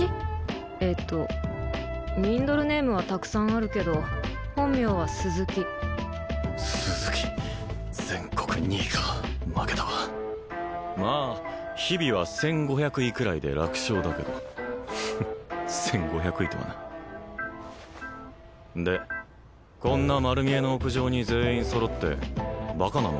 えっとニンドルネームはたくさんあるけど本名は鈴木鈴木全国２位か負けたわまあ日比は１５００位くらいで楽勝だけどフフッ１５００位とはなでこんな丸見えの屋上に全員揃ってバカなの？